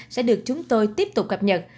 sẽ được chúng tôi tiếp tục cập nhật